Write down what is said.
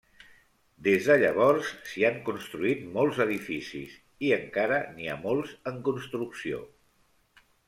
Des de llavors s'hi han construït molts edificis, i encara n'hi ha molts en construcció.